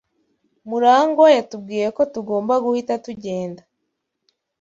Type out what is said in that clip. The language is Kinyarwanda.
Murangwa yatubwiye ko tugomba guhita tugenda.